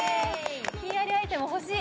ひんやりアイテム欲しい！